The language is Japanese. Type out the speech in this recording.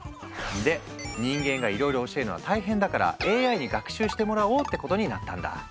で人間がいろいろ教えるのは大変だからＡＩに学習してもらおうってことになったんだ。